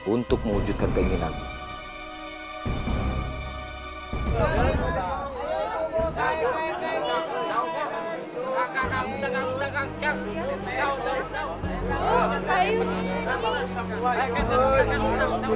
untuk membersihkan keinginanmu